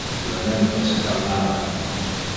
Le vento se calmava.